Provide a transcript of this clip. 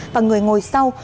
và người ngồi sau